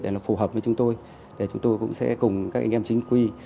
để nó phù hợp với chúng tôi để chúng tôi cũng sẽ cùng các anh em chính quy